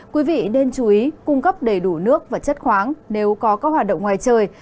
quý vị nên chú ý cung cấp đầy đủ nước và chất khoáng nếu có các hoạt động ngoài trời